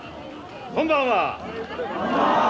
こんばんは。